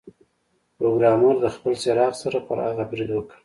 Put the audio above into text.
پروګرامر د خپل څراغ سره پر هغه برید وکړ